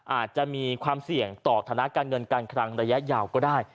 อาจจะมีความเสี่ยงต่อฐานะการเงินการคลังระยะยาวก็ได้